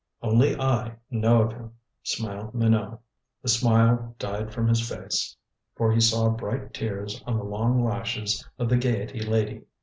"Only I know of him," smiled Minot. The smile died from his face. For he saw bright tears on the long lashes of the Gaiety lady.